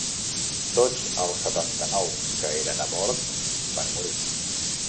Tots els setanta-nou que eren a bord van morir.